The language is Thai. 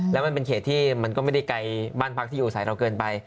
แล้วมันเป็นเขตที่มันก็ไม่ได้ไกลบ้านพักที่อยู่อาศัยเราเกินไป